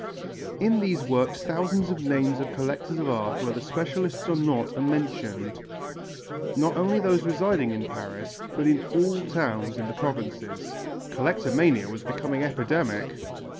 In these works thousands of names of collectors of art, whether specialists or not, are mentioned, not only those residing in Paris but in all towns of the provinces. Collectomania was becoming epidemic!